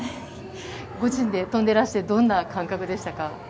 ご自身で跳んでらして、どんな感覚でしたか？